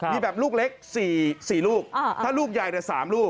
มีแบบลูกเล็ก๔ลูกถ้าลูกใหญ่๓ลูก